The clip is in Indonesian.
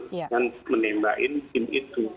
dan menembahin tim itu